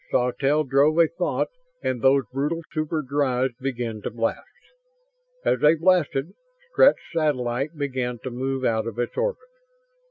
Sawtelle drove a thought and those brutal super drives began to blast. As they blasted, Strett's satellite began to move out of its orbit.